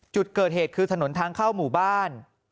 จุดเกิดเหตุคือถนนทางเข้าหมู่บ้าน